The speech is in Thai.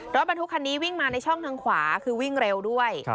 รถบรรทุกคันนี้วิ่งมาในช่องทางขวาคือวิ่งเร็วด้วย